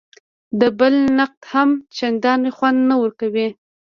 د بل نقد هم چندان خوند نه ورکوي.